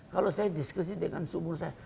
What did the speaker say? kalau saya diskusi dengan sumur saya